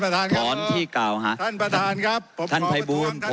ถอนที่๙ท่านพระบุรณิชส์